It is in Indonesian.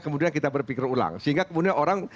kemudian kita berpikir ulang sehingga kemudian orang